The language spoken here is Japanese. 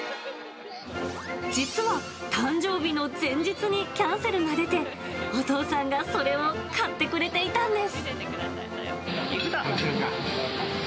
実は誕生日の前日にキャンセルが出て、お父さんがそれを買ってく行くぞ！